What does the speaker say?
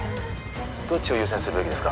どっちを優先するべきですか？